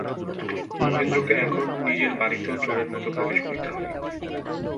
মহেন্দ্রকে এখন নিজের বাড়িতেও চোরের মতো প্রবেশ করিতে হয়।